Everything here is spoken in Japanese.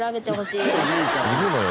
いるのよ